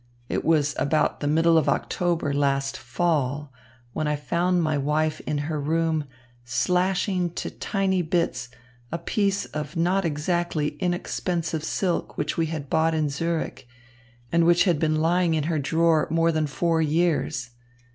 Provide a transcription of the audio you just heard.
It was about the middle of October last fall when I found my wife in her room slashing to tiny bits a piece of not exactly inexpensive silk which we had bought in Zürich and which had been lying in her drawer more than four years.